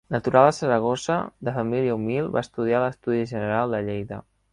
Natural de Saragossa, de família humil va estudiar a l’Estudi General de Lleida.